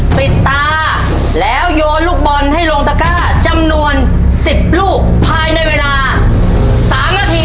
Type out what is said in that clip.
ปิดตาแล้วโยนลูกบอลให้ลงตะก้าจำนวน๑๐ลูกภายในเวลา๓นาที